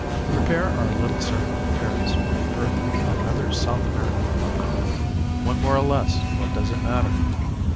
... "Prepare our little circle in Paris for the birth of another South American Republic. One more or less, what does it matter?